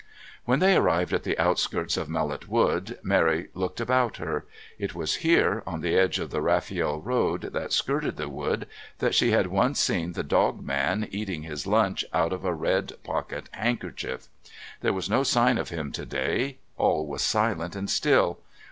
When they arrived at the outskirts of Mellot Wood Mary looked about her. It was here, on the edge of the Rafiel Road that skirted the wood, that she had once seen the dog man eating his luncheon out of a red pocket handkerchief. There was no sign of him to day. All was silent and still.